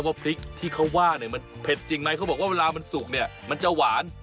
ว่าพริกที่เขาว่าเนี่ยมันเผ็ดจริงไหมเขาบอกว่าเวลามันสุกเนี่ยมันจะหวาน